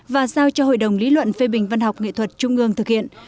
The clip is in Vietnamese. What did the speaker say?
và giao cho hội đồng lý luận phê bình văn học nghệ thuật trung ương thực hiện